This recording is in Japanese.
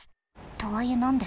とはいえ何で？